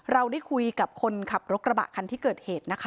เราได้คุยกับคนขับรถกระบะคันที่เกิดเหตุนะคะ